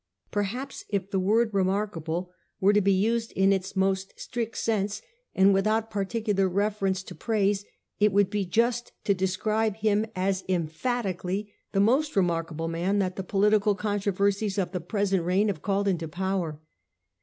Perhaps, if the word remark able were to be used in its most strict sense, and without particular reference to praise, it would be just to describe him as emphatically the most re markable man that the political controversies of the present reign have called into power.